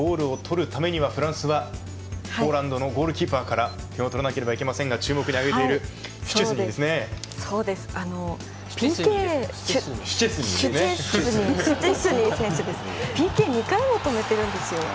ゴールを取るためにフランスはポーランドのゴールキーパーから点を取らなければいけませんが注目のＰＫ、２回も止めているんですよ。